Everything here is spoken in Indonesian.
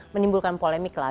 menimbulkan polemik lah